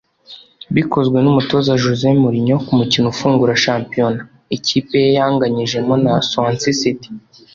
bikozwe n’umutoza Jose Mourinho ku mukino ufungura shampiyona ikipe ye yanganyijemo na Swansea City